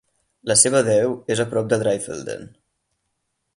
La seva deu és a prop de Dreifelden.